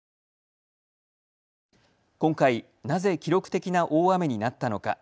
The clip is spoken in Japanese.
今回、なぜ記録的な大雨になったのか。